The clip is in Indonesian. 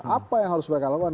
apa yang harus mereka lakukan